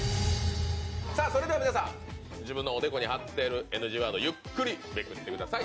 皆さん、自分のおでこに貼っているＮＧワードゆっくりめくってください。